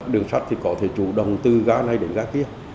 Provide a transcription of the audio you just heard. đường sắt thì có thể chủ động từ ga này đến ga kia